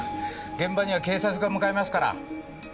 現場には警察が向かいますから。